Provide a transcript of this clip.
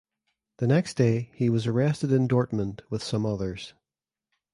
The next day he was arrested in Dortmund with some others.